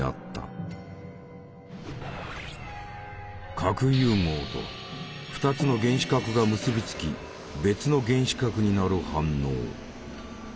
核融合とは２つの原子核が結び付き別の原子核になる反応。